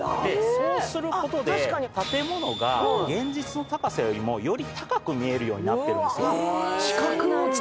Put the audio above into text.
そうすることで建物が現実の高さよりもより高く見えるようになってるんです。